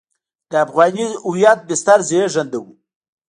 د افغاني هویت بستر زېږنده وو.